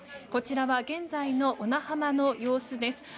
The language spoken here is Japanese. こちらは現在の小名浜の様子です。